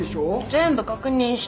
全部確認した。